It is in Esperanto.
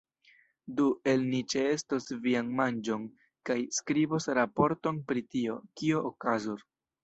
Du el ni ĉeestos vian manĝon kaj skribos raporton pri tio, kio okazos.